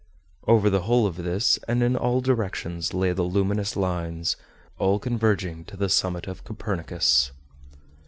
Over the whole of this, and in all directions, lay the luminous lines, all converging to the summit of Copernicus.